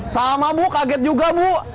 sama bu kaget juga bu